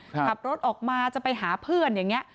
ขับรถออกมาจะไปหาเพื่อนอย่างนี้